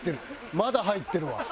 まだ入ってるわ。